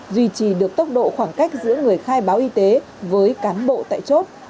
duy trì được tốc độ khoảng cách giữa người khai báo y tế với cán bộ tại chốt